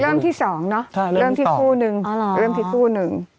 เริ่มที่๒เนาะเริ่มที่คู่นึง